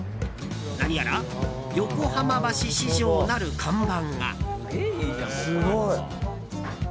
何やら横浜橋市場なる看板が。